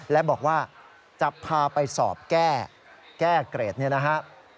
และบอกว่าจะพาไปสอบแก้เกรดเนี่ยนะฮะ